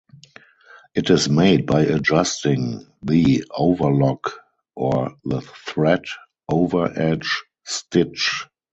It is made by adjusting the overlock or the thread overedge stitch.